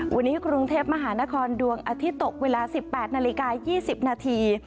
วันนี้กรุงเทพมหานครดวงอาทิตย์ตกเวลา๑๘นาฬิกา๒๐นาที